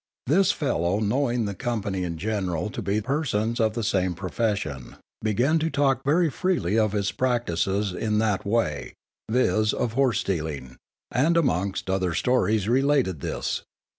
This fellow knowing the company in general to be persons of the same profession, began to talk very freely of his practices in that way (viz., of horse stealing), and amongst other stories related this.